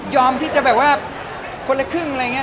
ยอมที่จะคนละครึ่งอะไรอย่างนี้